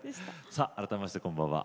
さあ改めましてこんばんは。